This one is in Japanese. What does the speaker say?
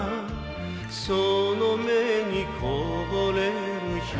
「その目にこぼれるひと滴」